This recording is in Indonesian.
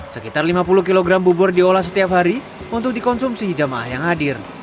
sekitar lima puluh kg bubur diolah setiap hari untuk dikonsumsi jamaah yang hadir